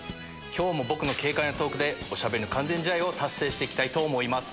今日も僕の軽快なトークでおしゃべりの完全試合を達成して行きたいと思います。